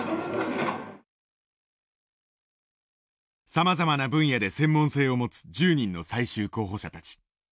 さまざまな分野で専門性を持つ１０人の最終候補者たち。